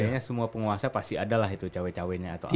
pokoknya semua penguasa pasti ada lah itu cawek caweknya atau apa ya